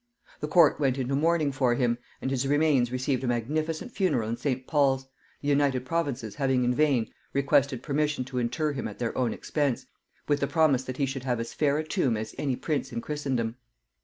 The court went into mourning for him, and his remains received a magnificent funeral in St. Paul's, the United Provinces having in vain requested permission to inter him at their own expense, with the promise that he should have as fair a tomb as any prince in Christendom.